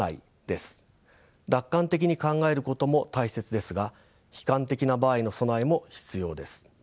楽観的に考えることも大切ですが悲観的な場合の備えも必要です。